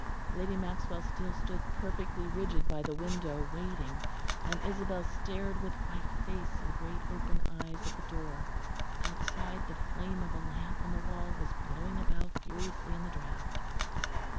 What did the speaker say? Lady Maxwell still stood perfectly rigid by the window, waiting, and Isabel stared with white face and great open eyes at the door; outside, the flame of a lamp on the wall was blowing about furiously in the draught.